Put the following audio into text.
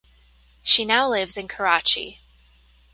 She now lives in Karachi.